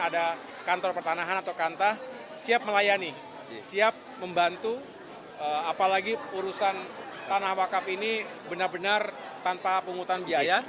ada kantor pertanahan atau kantah siap melayani siap membantu apalagi urusan tanah wakaf ini benar benar tanpa penghutan biaya